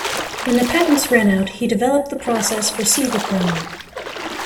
When the patents ran out, he developed the process for Cibachrome.